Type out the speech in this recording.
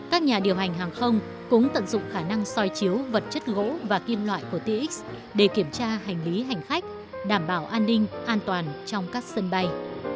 các nhà điều hành hàng không cũng tận dụng khả năng soi chiếu vật chất gỗ và kim loại của tx để kiểm tra hành lý hành khách đảm bảo an ninh an toàn trong các sân bay